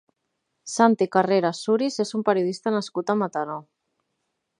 Santi Carreras Suris és un periodista nascut a Mataró.